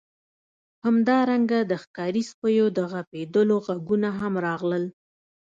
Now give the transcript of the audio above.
همدارنګه د ښکاري سپیو د غپیدلو غږونه هم راغلل